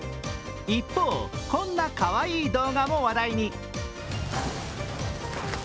一方こんなかわいい動画も話題に。